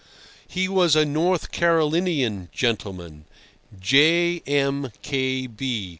He was a North Carolinian gentleman, J. M. K. B.